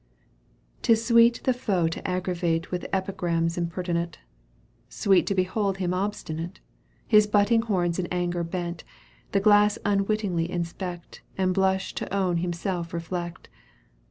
Tis sweet the foe to aggravate With epigrams impertinent, Sweet to behold him obstinate, His butting horns in anger bent. The glass unwittingly inspect And blush to own himself reflect.